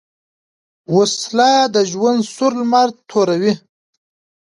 وسله د ژوند سور لمر توروي